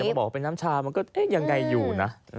พอบอกว่าเป็นน้ำชามันก็เอ๊ะยังไงอยู่นะ